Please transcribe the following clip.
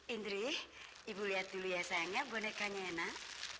indri ibu lihat dulu ya sayangnya bonekanya enak